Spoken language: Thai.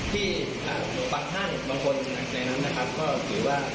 ครับ